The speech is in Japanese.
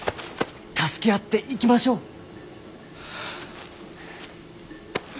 助け合っていきましょう。